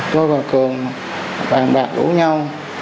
tôi và cường bàn bạc đủ nhau